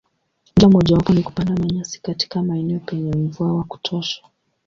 Njia mojawapo ni kupanda manyasi katika maeneo penye mvua wa kutosha.